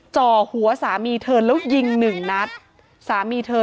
จ่อหัวสามีเธอแล้วยิงหนึ่งนัดสามีเธอ